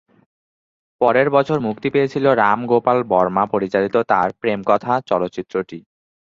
পরের বছর মুক্তি পেয়েছিল রাম গোপাল বর্মা পরিচালিত তাঁর "প্রেম কথা" চলচ্চিত্রটি।